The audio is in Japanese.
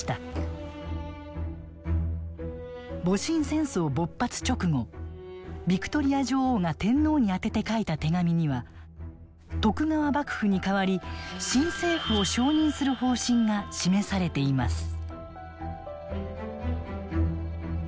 戊辰戦争勃発直後ヴィクトリア女王が天皇に宛てて書いた手紙には徳川幕府に代わり新政府を承認する方針が示されています。